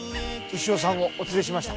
牛尾さんをお連れしました。